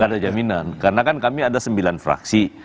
tidak ada jaminan karena kan kami ada sembilan fraksi